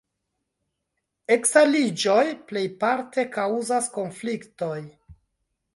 Eskaliĝoj plejparte kaŭzas konfliktojn.